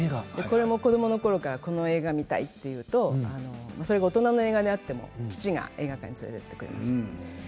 これも子供の頃からこの映画が見たいと言うとそれが大人の映画であっても父が映画館に連れてってくれました。